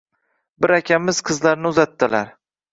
Bir akamiz qizlarini uzatdilar.